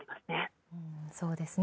そうですね。